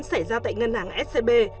xảy ra tại ngân hàng scb